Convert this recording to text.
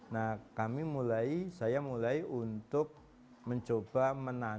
nah kami mulai saya mulai untuk mencoba menanam